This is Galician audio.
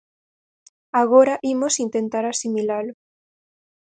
Agora imos intentar asimilalo.